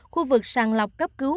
khu vực sàng lọc cấp cứu